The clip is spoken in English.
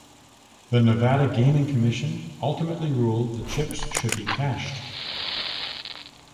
The Nevada Gaming Commission ultimately ruled the chips should be cashed.